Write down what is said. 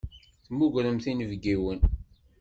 Temmugremt inebgiwen.